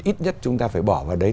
ít nhất chúng ta phải bỏ vào đấy